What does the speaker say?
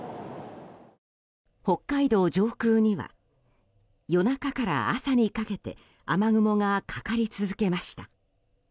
北海道上空には夜中から朝にかけて雨雲がかかり続けました。